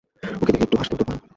ওকে দেখে একটু হাসতেও তো পারো।